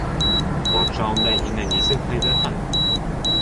Батша унда һине нисек һыйҙырһын?